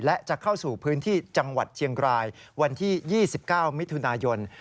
และจะเข้าสู่พื้นที่จังหวัดเชียงรายวันที่๒๙มิถุนายน